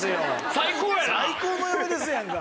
最高の嫁ですやんか。